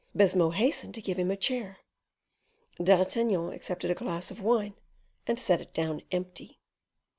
Baisemeaux hastened to give him a chair; D'Artagnan accepted a glass of wine, and set it down empty.